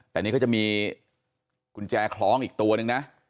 แต่นี่เขาจะมีกุญแจคล้องอีกตัวนึงนะ